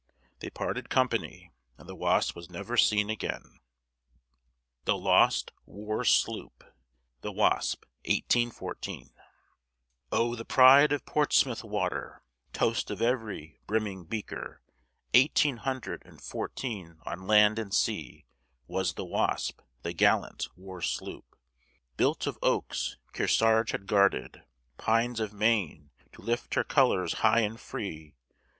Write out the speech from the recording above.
They parted company, and the Wasp was never seen again. THE LOST WAR SLOOP (THE WASP, 1814) O the pride of Portsmouth water, Toast of every brimming beaker, Eighteen hundred and fourteen on land and sea, Was the Wasp, the gallant war sloop, Built of oaks Kearsarge had guarded, Pines of Maine to lift her colors high and free!